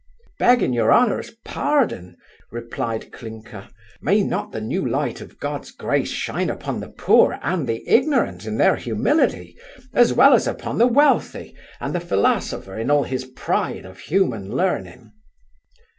'Begging your honour's pardon (replied Clinker) may not the new light of God's grace shine upon the poor and the ignorant in their humility, as well as upon the wealthy, and the philosopher in all his pride of human learning?